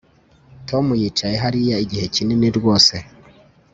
Tom yicaye hariya igihe kinini rwose